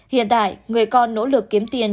hiện tại người con nỗ lực kiếm tiền